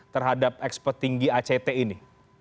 terhadap ekspert tinggi act ini